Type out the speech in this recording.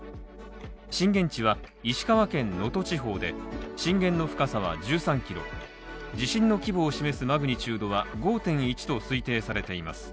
震源地は石川県能登地方で震源の深さは１３ｋｍ地震の規模を示すマグニチュードは５．１と推定されています。